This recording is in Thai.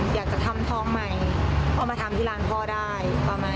อยากจะทำทองใหม่เอามาทำที่ร้านพ่อได้ประมาณ